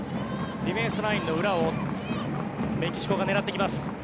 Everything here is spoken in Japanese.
ディフェンスラインの裏をメキシコが狙っていきます。